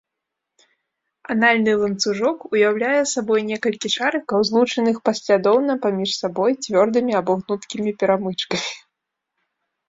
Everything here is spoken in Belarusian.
Анальны ланцужок уяўляе сабой некалькі шарыкаў, злучаных паслядоўна паміж сабой цвёрдымі або гнуткімі перамычкамі.